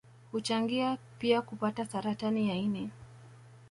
Huchangia pia kupata Saratani ya ini